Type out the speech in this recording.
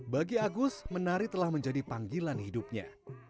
bagi agus menari telah menjadi panggilan hidupnya